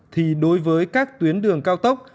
thì đối với các tuyến đường cao tốc